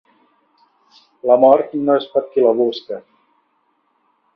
La mort no és per qui la busca.